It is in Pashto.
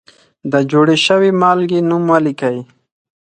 د جوړې شوې مالګې نوم ولیکئ.